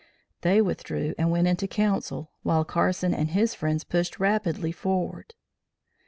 They withdrew and went into council, while Carson and his friends pushed rapidly forward.